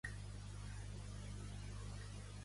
A Tarragona manxen sota l'orgue.